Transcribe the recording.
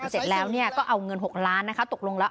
แต่เสร็จแล้วก็เอา๖ล้านบาทตกลงแล้ว